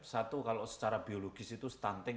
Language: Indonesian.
satu kalau secara biologis itu stunting